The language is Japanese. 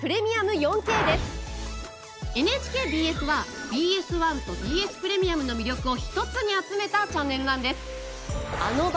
ＮＨＫＢＳはＢＳ１とＢＳプレミアムの魅力を一つに集めたチャンネルなんです。